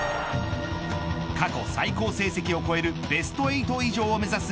過去最高成績を超えるベスト８以上を目指す